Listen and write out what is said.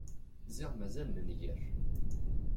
Ziɣ mazal nenger.